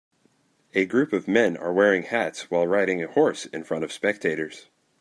A group of men are wearing hats while riding a horse in front of spectators.